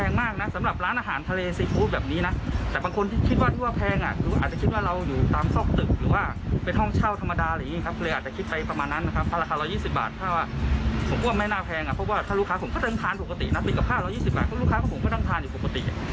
ก็ลูกค้าของผมก็ต้องทานอยู่ปกติซึ่งไม่มีบ่นมาอะไรอย่างนี้ครับ